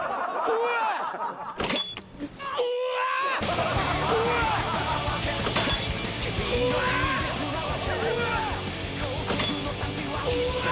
うわ！